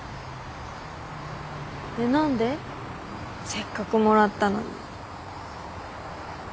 せっかくもらったのに。